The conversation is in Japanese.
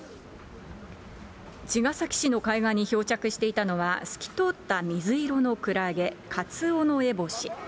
茅ヶ崎市の海岸に漂着していたのは、透き通った水色のクラゲ、カツオノエボシ。